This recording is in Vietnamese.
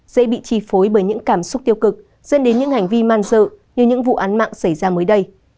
dễ bị trì phối bởi những cảm xúc tiêu cực dân đến những hành vi man dợ như những vụ án mạng xảy ra mới đây